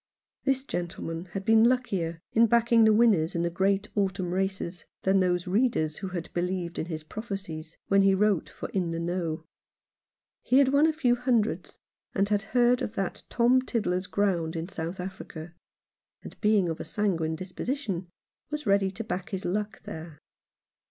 This gentleman had been luckier in backing the winners in the great autumn races than those readers who had believed in his prophecies when he wrote for In the Know. He had won a few hundreds, and had heard of that Tom Tiddler's Ground in South Africa ; and, being of a sanguine disposition, was ready to back his luck there.